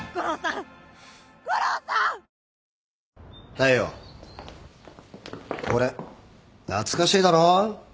大陽これ懐かしいだろ？